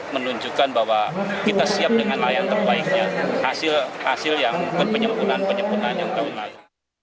menunjukkan bahwa kita siap dengan layan terbaiknya hasil hasil yang penyempunan penyempunan yang terlalu